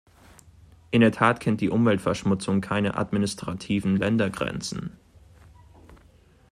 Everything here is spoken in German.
In der Tat kennt die Umweltverschmutzung keine administrativen Ländergrenzen.